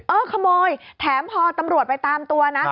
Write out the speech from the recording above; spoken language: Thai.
เออขโมยแถมพอตำรวจไปตามตัวนะ